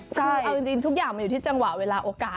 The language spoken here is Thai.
ใช่เอาจริงทุกอย่างมันอยู่ที่จังหวะเวลาโอกาส